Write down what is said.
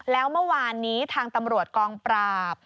แล้วเมื่อวานนี้ทางตำรวจกองปราบ